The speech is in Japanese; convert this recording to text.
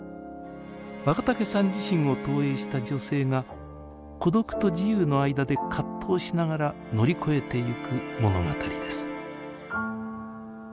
若竹さん自身を投影した女性が孤独と自由の間で葛藤しながら乗り越えていく物語です。